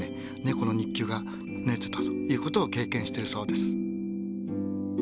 この肉球がぬれてたということを経験してるそうです。